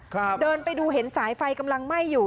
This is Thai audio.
ครับเดินไปดูเห็นสายไฟกำลังไหม้อยู่